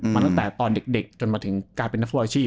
มาตั้งแต่ตอนเด็กจนมาถึงการเป็นนักฟุตบอลอาชีพ